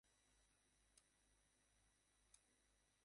দিদি, তুমিও তো, ভাই, এতদিন আমাদের একখানিও চিঠি লেখ নি?